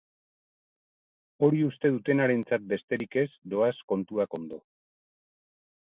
Hori uste dutenarentzat besterik ez doaz kontuak ondo.